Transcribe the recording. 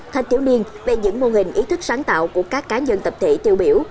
thanh thiếu niên về những mô hình ý thức sáng tạo của các cá nhân tập thể tiêu biểu